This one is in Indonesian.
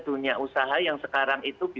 dunia usaha yang sekarang itu